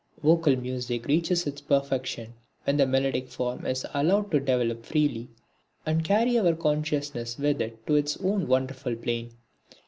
Vocal music reaches its perfection when the melodic form is allowed to develop freely, and carry our consciousness with it to its own wonderful plane.